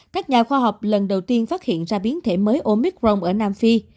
các nhà khoa học lần đầu tiên phát hiện ra biến thể mới omicron ở nam phi